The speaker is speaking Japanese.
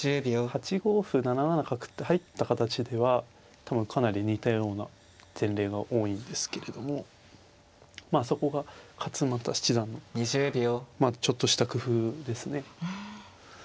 ８五歩７七角って入った形では多分かなり似たような前例が多いんですけれどもまあそこが勝又七段のちょっとした工夫ですね。